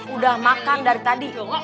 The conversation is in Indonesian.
udah makan dari tadi